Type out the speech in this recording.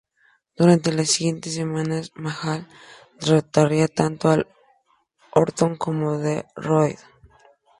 Durante las siguientes semanas, Mahal derrotaría tanto a Orton como a Roode.